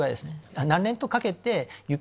何年とかけて。